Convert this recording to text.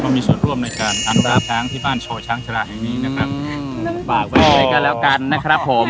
เพราะมีส่วนร่วมในการอันรับทางที่บ้านโฉช้างชราแห่งนี้นะครับฝากไว้กันแล้วกันนะครับผม